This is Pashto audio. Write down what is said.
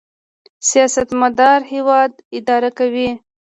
سیاستمدار هیواد اداره کوي